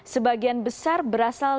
sebagian besar berasal